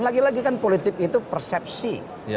lagi lagi kan politik itu persepsi